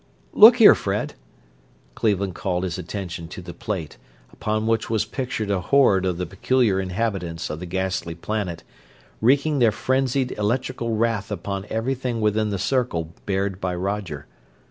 "Look here, Fred," Cleveland called his attention to the plate, upon which was pictured a horde of the peculiar inhabitants of the ghastly planet, wreaking their frenzied electrical wrath upon everything within the circle bared by Roger.